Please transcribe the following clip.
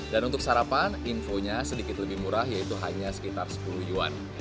dan untuk sarapan infonya sedikit lebih murah yaitu hanya sekitar sepuluh yuan